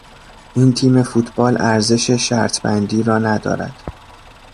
این تیم فوتبال ارزش شرطبندی را ندارد.